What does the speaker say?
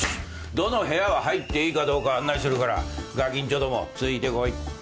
どの部屋は入っていいかどうか案内するからがきんちょどもついてこい。